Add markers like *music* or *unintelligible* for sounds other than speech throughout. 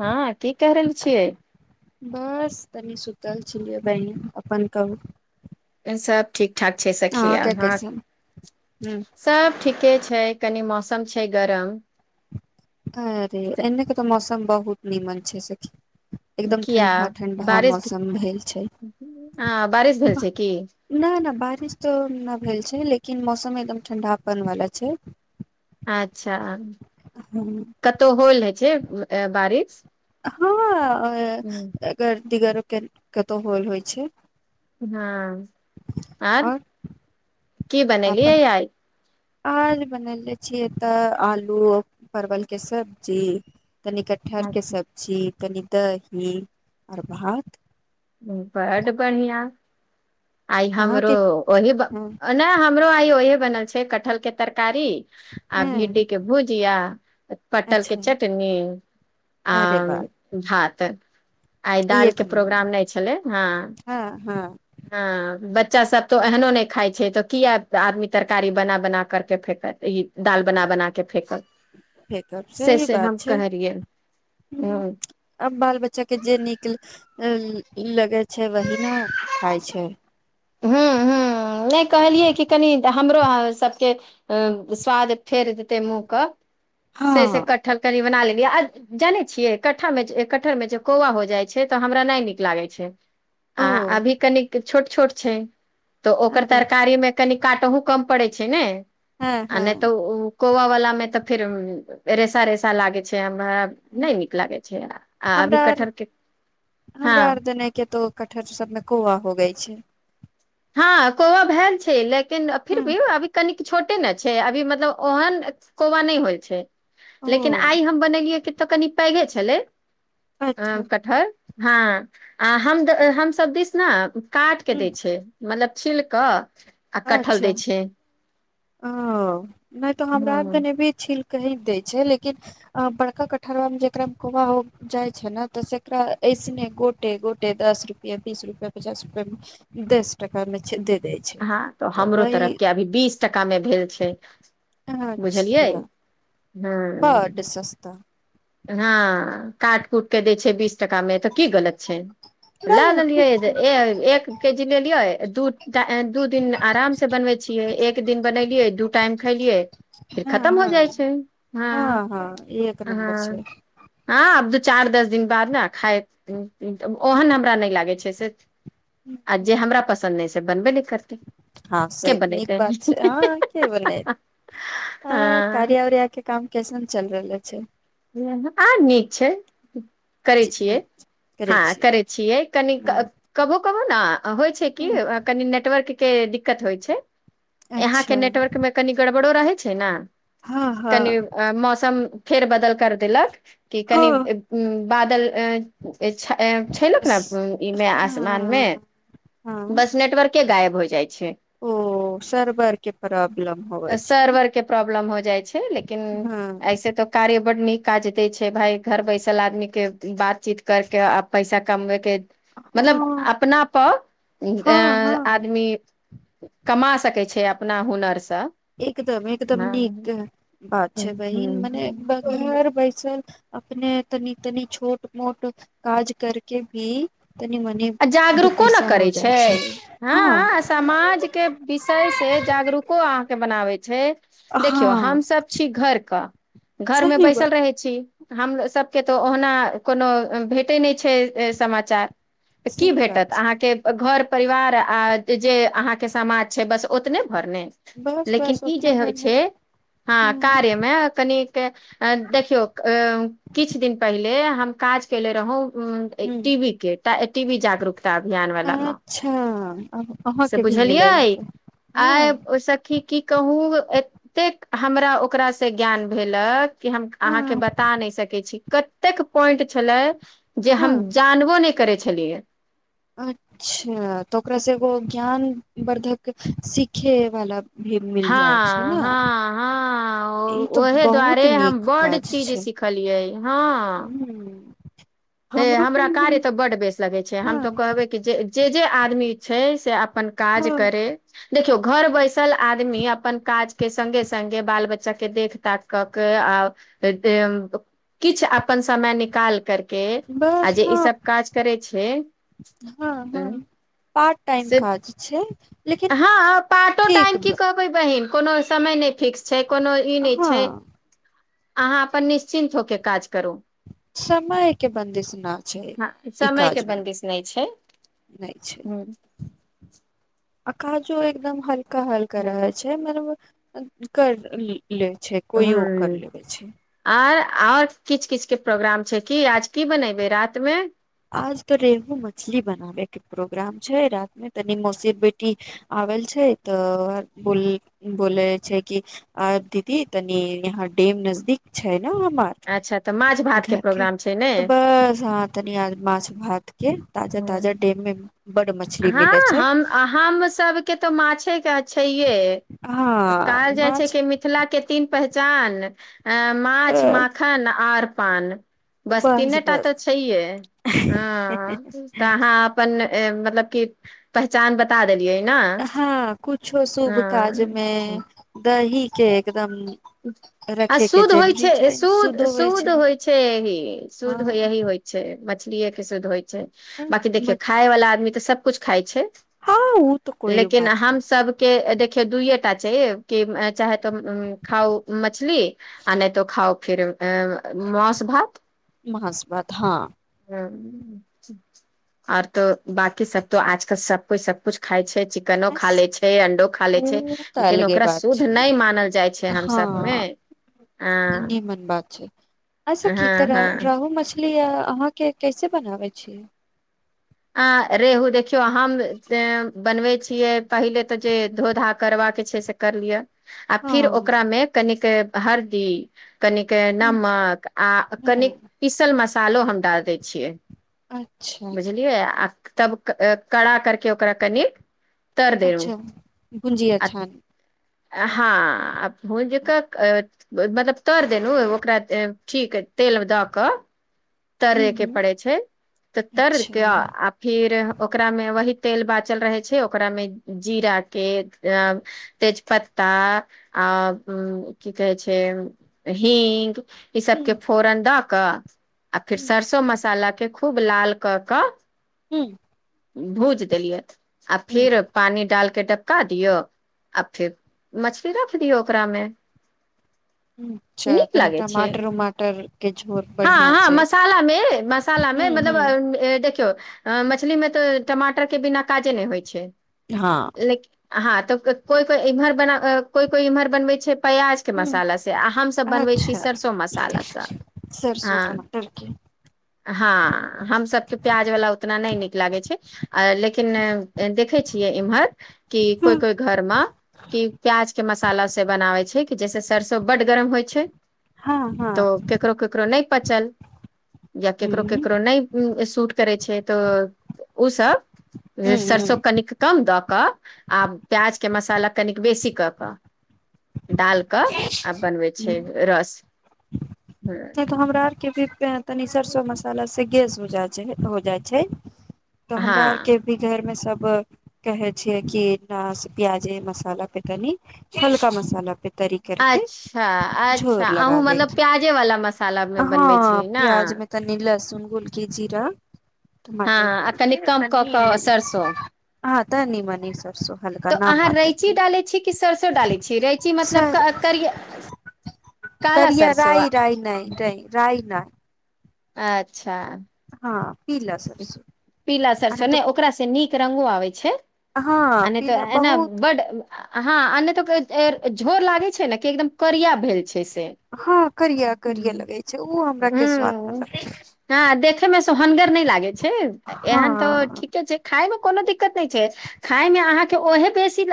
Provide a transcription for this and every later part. हँ की कऽ रहल छियै बस तनी सुतल छलियै बहिन अपन कहू ई सब ठीक ठाक छै सखी अहाँके अहाँ कैसन ह सब ठीक के छै कनि मौसम छै गरम अरे से- एने के तऽ मौसम बहुत नीमन छै सखी एकदम किया ठंडा ठंडा बारिश मौसम भेल छै आ बारिश भेल छै की न न बारिश तऽ नहि भेल छै लेकिन मौसम एकदम ठण्डापन वाला छै अच्छा हँ कतहु होल हइ छै आ बारिश हँ आ हूँ, अगर दीगारो के कतहु होल होइ छै हँ आर आओर की बनेलीयै आइ आर बनयनेे छियै तऽ आलू परवलके सब्जी कनी कटहर के अच्छा सब्जी कनि दही आर भात बड्ड बढियां आइ हमरो अहाँके ओहि हँ ने हमरो आइ ओहि बनल छै कटहल के तरकारी आ भिंडी हँ के भुजिया पटल के अच्छा चटनी आ अरे वाह भात आइ ई एक दालिके नम्बर प्रोग्राम नहि छलै हँ हँ हँ हँ बच्चा सब तऽ एहनो नहि खाइ छै तऽ किया आदमी तरकारी बना बना कर के फेेकत ई दाल बना बना के फेकत फेकब से सही से हम बात छै कहे रहियै हूँ आब बाल बच्चा के जे निक लगै छै वही ने खाय छै हँ हँ नहि कहलियै की कनि हमरो अहाँ सबके स्वाद फेर देतै मुँहके से से हँ कटहल कनी बना ले जानै छियै कटहर मे जे कौआ हो जाइ छै तऽ हमरा नहि नीक लागै छै ओ आ अभी कनिक छोट छोट छै तऽ ओकर अरे तरकारीमे कनि काटहु कम पड़ै छै ने हँ आ हँ नै तऽ उ कौव वाला मे तऽ फिर रेसा रेसा लागे छै हमरा नहि नीक लागे छै आ अभी हमरा आर कटहर के हमरा आर हँ देने के तो कटहर सबमे कोआ हो गई छै हँ कोआ भैल छै लेकिन फिर ह भी अभी कनिक छोट छोटे ने छै अभी मतलब ओहन कोआ नहि होई छै ओ लेकिन आइ हम बनेलियै कि तऽ कनि पैघे छलै आम अच्छा कटहर हँ आ हम हम सब दिश ने काट के ह दै छै मतलब छिल कऽ आ कटहल अच्छा दै छै ओ नहि तऽ हमरा आर तऽ हँ बनेबै छील कऽ *unintelligible* हँ तऽ हमरो तरफ के अभी बीस टका मे भेल छै बुझलियै अच्छा हँ बड सस्ता हँ काट कुट के दै छै बीस टाका मे तऽ की गलत छै नहि लए नहि लेलियै ठीक जे छै एक के जी लेलियै दू दिन आराम से बनबै छियै एक दिन बनेलियै दू टाइम खलियै फिर हँ खतम हो जाइ हँ छै हँ हँ एक नम्बर ह छै हँ आब दू चार दस दिन बाद ने खाइ तऽ ओहन हमरा नहि लागै छै से आ जे हमरा पसन्द नहि से तब बनबे लेथ हँ से नीक बात छै हँ के भेलै हँ कारिया उरिया के काम कैसने चल रहलै अच्छे आर नीक छै करै छियै नीक हँ करै छियै कनि कबो ह कबो कोना होइ छै कि कनि नेटवर्क के दिक्कत होइ छै यहाँ के अच्छा नेटवर्क मे कनि गरबर बड़ो रहै छै ने हँ कनी हँ मौसम फेर बदल कर देलक की कनि हँ बादल जे छै हँ हँ *unintelligible* हो जाइत ओ सरवर के प्रॉब्लम होइ छै सर्वर के प्रॉब्लम हो जाइ छै लेकिन हँ ऐसे तऽ कार्य बड नीक काज देय छै भाय घर बैसल आदमी के बातचीत करके आ पैसा कमबै के मतलब हँ अपना पर हँ हँ आदमी कमा सकैत छै अपना हुनर से एकदम एकदम नीक बात हूँ छै बहिन मने हूँ घर बैसल अपने तनी तनी छोट मोट काज करके भी तनी मनी आ दू जागरूको ने पैसा हो करैत जाइ छै हँ आ समाज के विषय से जागरूको अहाँके बनाबैत छै छै देखियौ हँ हमसभ छी घर कऽ घरमे सही बैसल बात रहै छी हमसभके तऽ ओना कोनो भेटै नहि छै समाचार की सही बात भेटत छै अहाँके घर परिवार आ जे अहाँके समाज छै बस ओतने भरने बस लेकिन बस ई ओतने जे होइ भर छै हँ कार्य मे कनिक देखियौ किछ दिन पहिले से हम काज केेले रहौ ह टी वि के तऽ एक टी वी जागरूक अभियान वालामे अच्छा आब से अहाँके भी बुझलियै मिलल छै आइ हँ ओहि सखी की कहू एतेक हमरा ओकरासँ ज्ञान भेलक कि हम अहाँके हँ बता नहि सकै छी कतेक पॉइंट छलै जे हँ हम जानबो नै करै छलियै अच्छा तऽ ओकरासँ एगो ज्ञान वर्धक सिखे वाला भी मिल जाइ छै हँ ने हँ हँ ई तऽ ओहे बहुत दुआरे हम नीक बड काज चीज छै सिखलिये हँ ह हे हमरो के हमरा मिल कार्य तऽ बड्ड बेस लगै छै हम हँ तऽ कहबै कि जे जे जे आदमी छै से अपन काज हँ करे देखियौ घर बैसल आदमी अपन काज के संगे संगे बाल बच्चा के देख तख कर के आ किछु अपन समय निकाल कर बस हँ छै हँ हँ पार्टटाइम से काज छै लेकिन हँ पार्टो ठीक टाइम की कहबै बहिन कोनो समय नहि फिक्स छै कोनो ई नहि छै हँ अहाँ अपन निश्चित होके काज करू समयके बन्दिश न छै हँ ई समय के काजमे बन्दिश नहि छै नहि छै आ काजो एकदम हलुक हलका हलका ह रहै छै मतलब करली ह आर आओर किछ किछ के प्रोग्राम की आज की बनेैबै रात मे आज तो रेहू मछली बनाबे के प्रोग्राम छै रात में तनि मौसी बेटी आवल छै तऽ बोल बोले छै कि दीदी तनि यहाँ डेम नजदीक छै *unintelligible* अच्छा तऽ माछ माछ भात के प्रोग्राम छै ने भात ताजा ताजा हँ डेममे हँ हम हमसभके तऽ माछेके छैे हे हँ कहल जाइ छै माछ कि मिथिलाके तीन पहचान अ माछ माखन आर पान बस तीनेटा तऽ छैे हे हँ तऽ अहाँ अपन ऐं मतलब के पहचान बता देल हँ कुछो शुभ काजमे हँ दहि केक आ शुद्ध होइ छै सु शुद्ध होइ छै यही शुद्ध हँ यही होइ छै मत मछलीेए के सिध होइ छै हँ बाकी देखियौ खाय वाला आदमी तऽ सब कुछ खाइ छै ओ तऽ कोइयो लेकिन बात हम न सब के देखियौ दूईये *unintelligible* कि चाहे तऽ खाउ मछली आ नै तऽ खाउ खीर मांस भात महस बात हँ आओर तो बकी सब तो आजकल सब कोइ सब कुछ खाइ छै चिकनो बस खा ले छै अंडो खा ले छै ओ तऽ लेकिन अलगे ओकरा बात शुद्ध छै नहि मानल जाय छै हम सबमे हँ हँ निमन बात छै एसे खीतऽ हँ हँ रहू मछली मानिलिए अहाँके कैसे बनाबै छियै आ रेहू देखियौ हम बनबै छियै पहिले तऽ जे धोधा करबाक छै से कर लियै आ फिर हँ ओकरामे कनिक हरदी कनिक नमक आ कनिक हँ पीसल मसाला तालो हम डाल दै छियै अच्छा बुझलियै आ तब कड़ा करके ओकरा कनि तर देलू अच्छा गुजिया आ छान हँ आ भुज कऽ मतलब तर देलहुँ ओकरा ठीक तेल मे दऽ कऽ हूँ तरेके हूँ पड़ै छै तऽ अच्छा तरके हूँ आ फिर ओकरा मे वही तेल बाचल रहे छै ओकरा मे जीरा के तेज पत्ता आ की कहे छै हींग ई हूँ सबके फोरन दऽ कऽ आ फिर हूँ सरसो मसाला के खूब लाल कऽ कऽ ह्म भूज देलियैथ आ फिर पानी डालके डप का दियऔ आ फेर मछली रख दियऔ ओकरामे अच्छा नीक तनी लागै छै टमाटर उमाटर के झोर हँ बढ़िया हँ से मसालामे मसालामे हूं मतलब हूं देखियौ मछली मे तऽ टमाटर के बिना काजे नहि होइ छै हँ लेकिन हँ तऽ कोइ कोइ इम्हर बना कोइ कोइ इम्हर बनबै छै प्याज के हूं मसाला से आ हमसभ बनबै छी अच्छा सरसों मसाला सँ सरसो ह टमाटर के हँ हमसब तऽ प्याज वला उतना नहि नीक लागे छै लेकिन देखै छियै इमहर कि हूं कोइ कोइ घर मे कि प्याज के मसाला से बनाबै छै कि जैसे सरसो बड गरम होइ छै हँ हँ तो केकरो केकरो नहि पचल या हूं केकरो केकरो नहि सूट करै छै तऽ उ सभ हूं सरसो हूं कनिक कम दऽ कऽ कऽ आ प्याजके मसाला कनिक बेसी कऽ कऽ डाल कऽ आब बनबै छै रस नहि तो हमरा आरके भी तनी सरसो मसाला से गेस हो जा हो जाइ छै तऽ हँ हमरा आरके भी घर मे सब कहे छियै कि ना प्याजे मसाला पे तनी हल्का मसाला पे तरी करके अच्छा अच्छा झोर आहूँ लगाबे मतलब के प्याजेवला मसालामे बनबै छियै ने गोलकी जीरा हँ आ कनि कम कऽ कऽ सरसो तनी मनी सरसों हलका तऽ नाम अहाँ रैची मात्रके डालै छी कि सरसो डालै छी रैची सर मतलब करिय काला करीया सरसो राई राय नै राइ राय नै आच्छा हां पीला सरसों पीला सरसों ने चकरा से नीक रंगों आवै छै हँ आ नहि पीला तऽ एना बहुत बड आ हा नहि तऽ झोर लगै छै ने की एक दम करीया भेल छै से हां करीया करीया हूँ लगै छै उ हमरा के स्वाद नै पसंद देखै मे सोहनगर नहि लागै छै एहन तऽ हँ ठीके छैय खाइमे कोनो दिक्कत नै छै खाय मे अहाँ के ओहने बेसी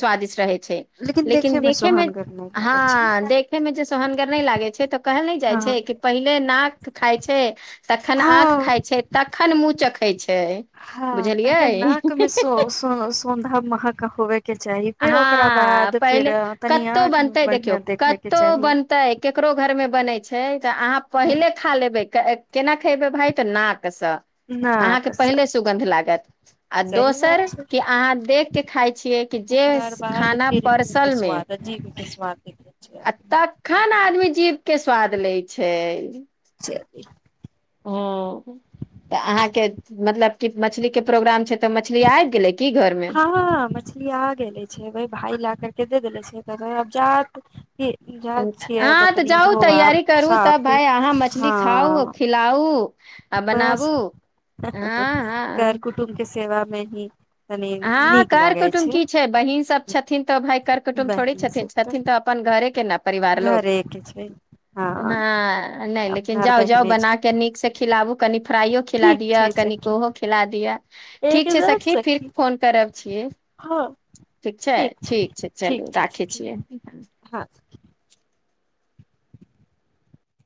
स्वादीष्ट लगैत छै छै लेकिन देखे मे देखैमे सोहानगर नहि लागे हां छै देखैय में तऽ सुहनगर नै लागै छै तऽ कहल नै जाय छै हँ पहिले ना तऽ खाय छै तखन आंखि खाय छै तहन मुँह चखै छै हां पहिले बुझलियै नाक मे *unintelligible* फेर ओकरा हां बाद फेर पहले तनि कतो आँख मे बनतै देखियो‌ बढ़िया देखे के कतो चाही बनतै ककरो घर मे बनतै छै अहाँ पहिले खा लेबै क केना खैबै भाई तऽ नाक न अहाँ के पहिले सुगंध लागत सही दोसर अहाँ देख के खाय छियै कि जे ओकरा स- बाद खाना फिर मुंह के परसल मे स्वाद जी के स्वाद मिलै छै कोइ जीभ के स्वाद लै छै जे भी ह्म तऽ अहाँ के मतलब की मछली के प्रोग्राम छै तऽ मछली आबि गेलैय हँ‌ मछली आगेले छै वही भाई लेकर के दे देले छै अब जा अहाँ तऽ जाउ तऽ तैयारी करु साफ तब अहाँ मछली खाउ हँ खिलाउ आ बनाबू बस हँ कर कुटुम के सेवा नहि ही तनी हं नीक कर लागै कुटुम की छै। बहिन सब छथिन तऽ भाइ कर कुटुम थोड़ी बहिन छथिन। सब छथिन तऽ अपन घरे के न परिवार लोक। घरे के छै हँ हं लेकिन नइ अपना आर जाउ जाउ बहिने छै बनाके निक से खिलाउ। कनि फ्राइयो खिला ठीक दिया। छै कनि सखी उहो खिला दिया। ठीक छै सखी फिर। फोन करब छियै हँ ठीक छै। ठीक छै ठीक चलू छै राखै सखी छियै। हँ